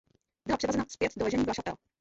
Byla převezena zpět do ležení v La Chapelle.